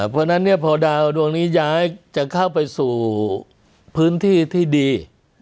เพราะฉะนั้นเนี่ยพอดาวดวงนี้ย้ายจะเข้าไปสู่พื้นที่ที่ดี